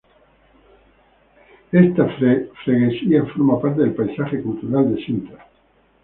Esta "freguesia" forma parte del Paisaje cultural de Sintra.